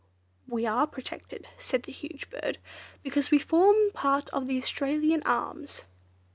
"We are protected," said the huge bird, "because we form part of the Australian Arms."